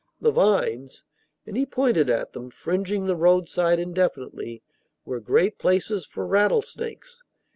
The vines (and he pointed at them, fringing the roadside indefinitely) were great places for rattlesnakes.